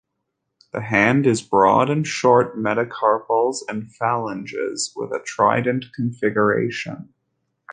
The hand is broad with short metacarpals and phalanges, and a trident configuration.